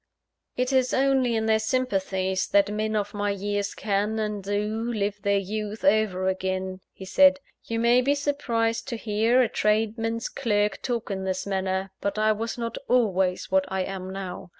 "It is only in their sympathies, that men of my years can, and do, live their youth over again," he said. "You may be surprised to hear a tradesman's clerk talk in this manner; but I was not always what I am now.